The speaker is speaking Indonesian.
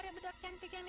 lihatlah di kaca